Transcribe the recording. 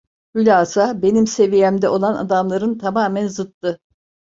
Hulasa benim seviyemde olan adamların tamamen zıddı.